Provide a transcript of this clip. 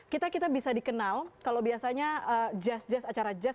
kita bisa dikenal kalau biasanya jazz jazz acara jazz